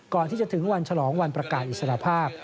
ก่อนที่จะถึงวันฉลองวันประกาศอิสระภาพ